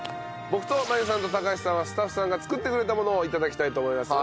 僕と真悠さんと高橋さんはスタッフさんが作ってくれたものを頂きたいと思います。